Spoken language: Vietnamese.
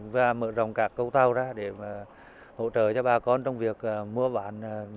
và mở rộng cả câu tàu ra để hỗ trợ cho bà con trong việc mua bán cho thần tiền